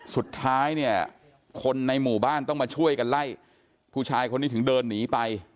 สุดท้ายเนี่ยคนในหมู่บ้านต้องมาช่วยกันไล่ผู้ชายคนนี้ถึงเดินหนีไป